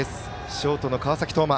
ショートの川崎統馬。